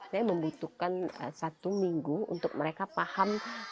saya membutuhkan satu minggu untuk mereka paham